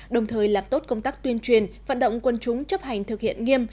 đồng thời làm tốt công tác tuyên truyền vận động quân chúng chấp hành thực hiện nghiêm